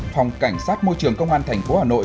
phòng cảnh sát môi trường công an tp hà nội